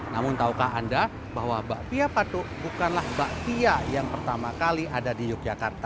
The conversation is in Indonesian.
namun tahukah anda bahwa mbak pia patuk bukanlah mbak pia yang pertama kali ada di yogyakarta